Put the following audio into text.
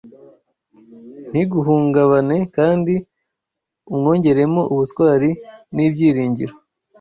ntiguhungabane kandi umwongeremo ubutwari n’ibyiringiro